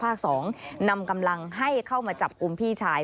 ๒นำกำลังให้เข้ามาจับกลุ่มพี่ชาย